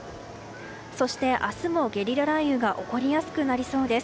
そして明日もゲリラ雷雨が起こりやすくなりそうです。